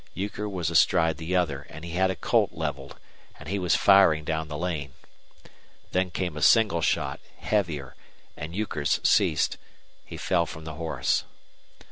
Euchre was astride the other, and he had a Colt leveled, and he was firing down the lane. Then came a single shot, heavier, and Euchre's ceased. He fell from the horse.